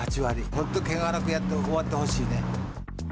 本当けがなくやって終わってほしいね。